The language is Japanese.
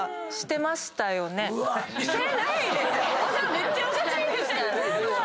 めっちゃおかしいですから。